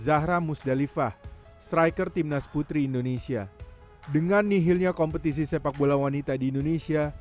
zahra musdalifah striker timnas putri indonesia dengan nihilnya kompetisi sepak bola wanita di indonesia